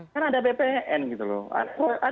kan ada bpn gitu loh